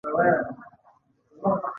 د کبانو روزنې فارمونه په لغمان کې جوړ شوي دي.